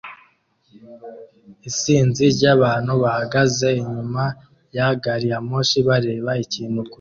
Isinzi ryabantu bahagaze inyuma ya gariyamoshi bareba ikintu kure